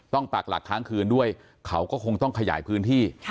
ปากหลักทั้งคืนด้วยเขาก็คงต้องขยายพื้นที่